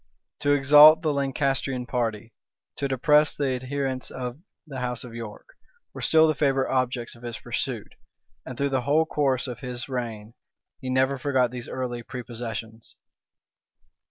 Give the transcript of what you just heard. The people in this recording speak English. To exalt the Lancastrian party, to depress the adherents of the house of York, were still the favorite objects of his pursuit; and through the whole course of his reign, he never forgot these early prepossessions.